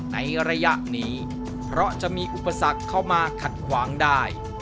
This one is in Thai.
ในระยะนี้เพราะจะมีอุปสรรคเข้ามาขัดขวางได้